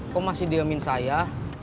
kok masih diamin saya